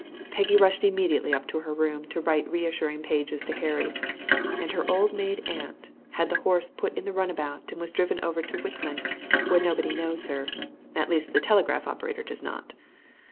Peggy rushed immediately up to her room to write reassuring pages to Harry, and her old maid aunt had the horse put in the runabout and was driven over to Whitman, where nobody knows her at least the telegraph operator does not.